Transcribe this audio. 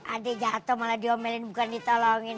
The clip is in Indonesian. adik jatuh malah diomelin bukan ditolongin